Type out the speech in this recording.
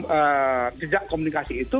di dalam jejak komunikasi itu